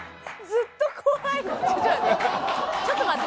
ちょっと待って。